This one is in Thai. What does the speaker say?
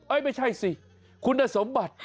ไม่ใช่สิคุณสมบัติ